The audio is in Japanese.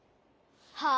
はあ？